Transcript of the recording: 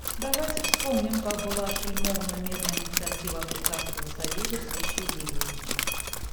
Давайте вспомним, как была ошельмована мирная инициатива Африканского союза в случае Ливии.